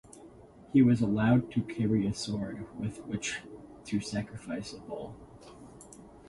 He was allowed to carry a sword with which to sacrifice a bull.